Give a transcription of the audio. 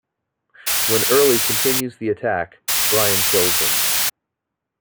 When Early continues the attack, Brian kills him.